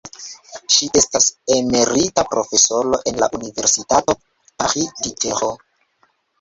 Ŝi estas emerita profesoro en la Universitato Paris Diderot.